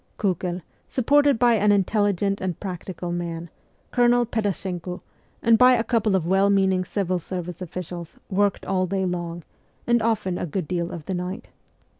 Kiikel, supported by an intelligent and practical man, Colonel Pedashenko, and by a couple of well meaning civil service officials, worked all day long, and often a good deal of the night.